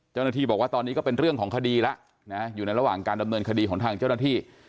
เจ้าหน้าที่บอกว่าตอนนี้ก็เป็นเรื่องของคดีแล้วนะอยู่ในระหว่างการดำเนินคดีของทางเจ้าหน้าที่